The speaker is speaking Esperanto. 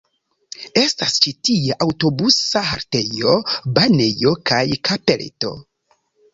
Estas ĉi tie aŭtobusa haltejo, banejo kaj kapeleto.